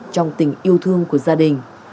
trong tình yêu thương của gia đình